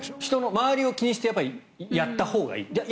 周りを気にしてやったほうがいい。